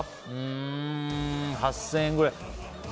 ８０００円ぐらい。